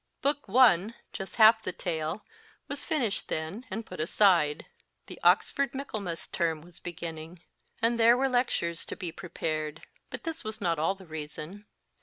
Book I. just half the tale was finished then, and put aside. The Oxford Michaelmas Term was beginning, and <v. 279 there were lectures to be prepared ; but this was not all the reason.